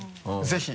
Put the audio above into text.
ぜひ。